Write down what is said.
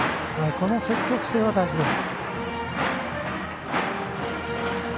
この積極性は大事です。